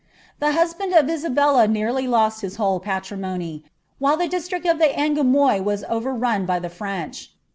The husband of Isabella nearly lost his whole patrimony, while the district of the Angoumois «« overrun by the French.'